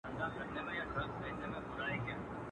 تبر ځکه زما سینې ته را رسیږي.